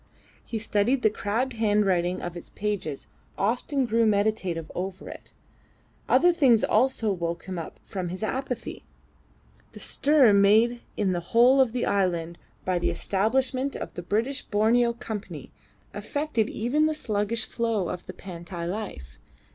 He studied the crabbed handwriting of its pages and often grew meditative over it. Other things also woke him up from his apathy. The stir made in the whole of the island by the establishment of the British Borneo Company affected even the sluggish flow of the Pantai life.